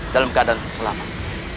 dalam keadaan selamat